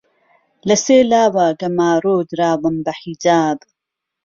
لە سێ لاوە گەمارۆ دراوم بە حیجاب!